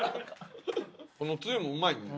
このつゆもうまいね。